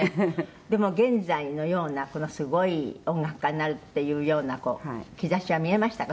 でも、現在のようなこの、すごい音楽家になるっていうような兆しは見えましたか？